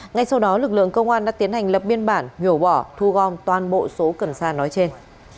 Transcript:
ngay sau đó lực lượng công an đã tiến hành lập biên bản nhổ bỏ thu gom toàn bộ số cần sa nói trên